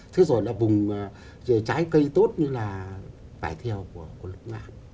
thế rồi là vùng trái cây tốt như là bài theo của lục ngã